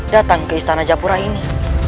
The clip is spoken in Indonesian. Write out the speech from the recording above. datang ke istana japura ini